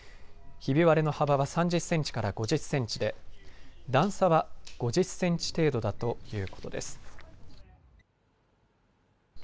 ひび割れの幅は３０センチから５０センチで段差は５０センチ程度だということです。